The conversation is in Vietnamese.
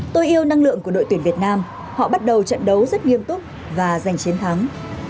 tôi yêu năng lượng của đội tuyển việt nam họ bắt đầu trận đấu rất nghiêm túc và giành chiến thắng